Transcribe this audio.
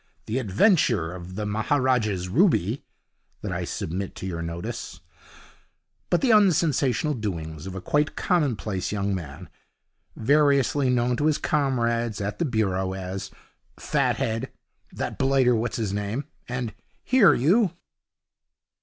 1. The Adventure of the Maharajah's Ruby' that I submit to your notice, but the unsensational doings of a quite commonplace young man, variously known to his comrades at the Bureau as 'Fathead', 'That blighter what's his name', and 'Here, you!'